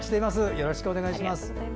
よろしくお願いします。